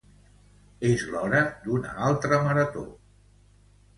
És l'hora d'una altra marató.